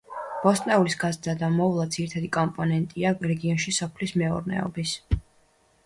ბოსტნეულის გაზრდა და მოვლა, ძირითადი კომპონენტია რეგიონში სოფლის მეურნეობის.